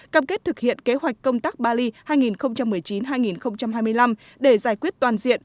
cam kết thực hiện kế hoạch công tác bali hai nghìn một mươi chín hai nghìn hai mươi năm để giải quyết toàn diện